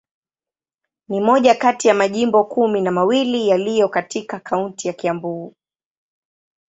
Ni moja kati ya majimbo kumi na mawili yaliyo katika kaunti ya Kiambu.